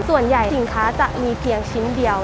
ส่วนใหญ่สินค้าจะมีเพียงชิ้นเดียว